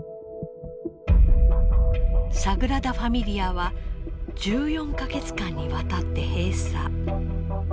サグラダ・ファミリアは１４か月間にわたって閉鎖。